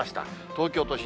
東京都心